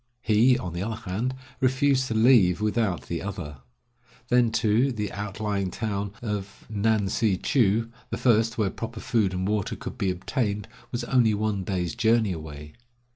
He, on the other hand, refused to leave without the other. Then too, the outlying town of Ngan si chou, the first where proper food and water could be obtained, was only one day's journey away.